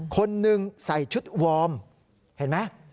คนนึงใส่ชุดวอร์มเห็นไหม